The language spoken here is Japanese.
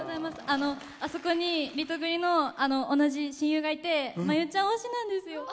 あそこにリトグリの同じ親友がいてＭＡＹＵちゃん推しなんですよ。